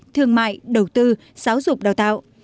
thương mại đầu tư giáo dục đào tạo